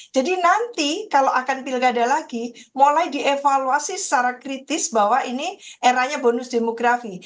jadi nanti kalau akan pilgada lagi mulai dievaluasi secara kritis bahwa ini eranya bonus demografi